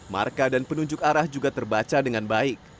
marka dan penunjuk arah juga terbaca dengan baik